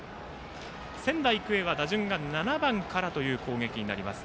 仙台育英は打順が７番からという攻撃になります。